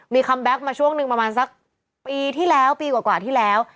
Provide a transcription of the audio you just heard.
มีคัมแก๊กมาช่วงหนึ่งประมาณสักปีที่แล้วปีกว่าที่แล้ว